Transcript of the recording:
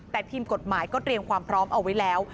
แต่ทีมกฎหมายก็เตรียมความพร้อมเอาไว้แล้ว